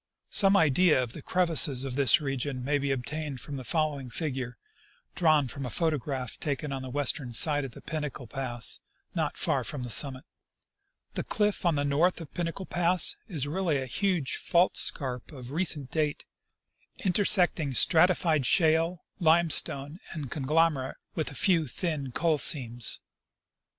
Some idea of the crevasses of this region may be obtained from the following figure, drawn from a photograph taken on the western side of Pinnacle pass, not far from the summit. Figure 5 — Crevasses on Pinnacle Pass; from a. Photograph. The cliff on the north of Pinnacle pass is really a huge fault scarp of recent date, intersecting stratified shale, limestone, and conglomerate, with a iew thin coal seams.